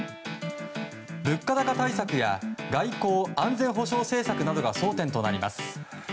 物価高対策や外交・安全保障政策などが争点となります。